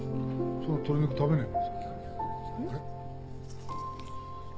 その鶏肉食べねえの？